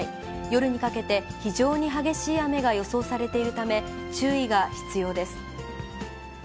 夜にかけて、非常に激しい雨が予想されているため、注意が必要です。